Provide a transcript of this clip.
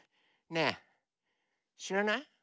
ねえしらない？